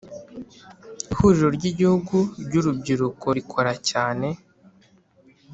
Ihuriro ry ‘Igihugu ry ‘Urubyiruko rikora cyane.